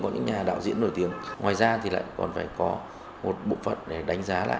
có những nhà đạo diễn nổi tiếng ngoài ra thì lại còn phải có một bộ phận để đánh giá lại